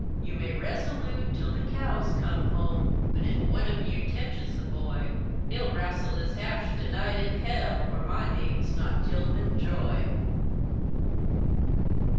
You may rezoloot till the cows come home, But ef one of you tetches the boy, He'll wrastle his hash to night in hell, Or my name's not Tilmon Joy!